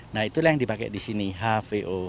nah itulah yang dipakai di sini hvo